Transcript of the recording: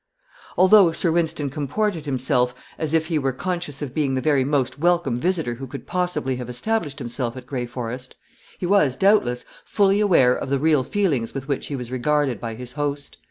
Although Sir Wynston comported himself as if he were conscious of being the very most welcome visitor who could possibly have established himself at Gray Forest, he was, doubtless, fully aware of the real feelings with which he was regarded by his host.